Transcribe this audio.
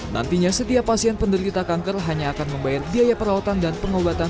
nantinya setiap pasien penderita kanker hanya akan membayar biaya perawatan dan pengobatan